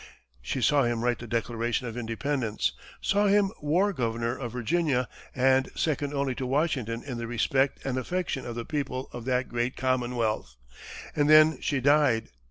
She saw him write the Declaration of Independence, saw him war governor of Virginia, and second only to Washington in the respect and affection of the people of that great commonwealth; and then she died.